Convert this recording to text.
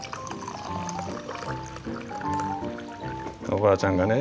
おばあちゃんがね